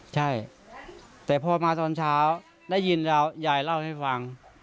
จากวัดที่นู่นใช่แต่พอมาตอนเช้าได้ยินเรายายเล่าให้ฟัง